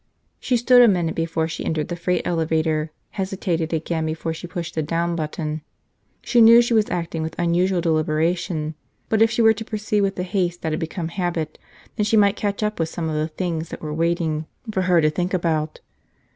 She stood a minute before she entered the freight elevator, hesitated again before she pushed the down button. She knew she was acting with unusual deliberation; but if she were to proceed with the haste that had become habit, then she might catch up with some of the things that were waiting for her to think about.